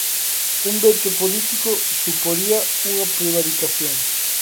Un veto político suporía unha prevaricación.